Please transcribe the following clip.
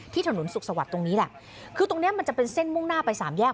ถนนสุขสวัสดิ์ตรงนี้แหละคือตรงเนี้ยมันจะเป็นเส้นมุ่งหน้าไปสามแยก